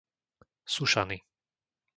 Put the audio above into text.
Sušany